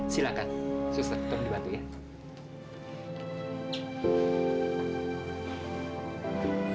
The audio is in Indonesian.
silakan suster ketempat dibantu ya